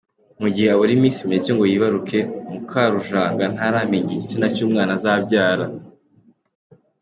Mu gihe abura iminsi mike ngo yibaruke, Mukarujanga ntaramenya igitsina cy’umwana azabyara.